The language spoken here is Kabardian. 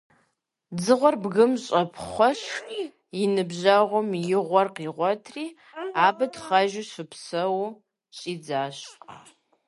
Дзыгъуэр бгым щӀэпхъуэщ, и ныбжьэгъум и гъуэр къигъуэтри, абы тхъэжу щыпсэууэ щӀидзащ.